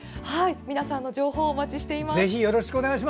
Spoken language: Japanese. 皆さんの情報をお待ちしています。